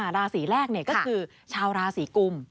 ราศีแรกก็คือชาวราศีกุม